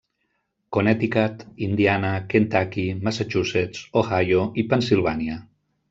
Connecticut, Indiana, Kentucky, Massachusetts, Ohio i Pennsilvània.